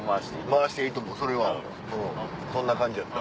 回していいと思うそれはそんな感じやった。